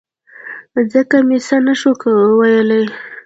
ځکه مو څه نه شول ویلای.